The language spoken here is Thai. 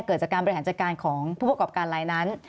เกิดจากการบริหารจัดการของผู้ประกอบการลายนั้น